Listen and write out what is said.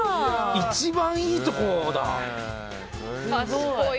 一番いいところだ。